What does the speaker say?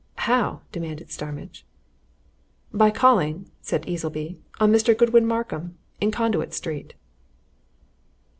"How?" demanded Starmidge. "By calling," said Easleby, "on Mr. Godwin Markham, in Conduit Street."